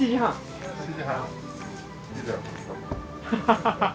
ハハハハ。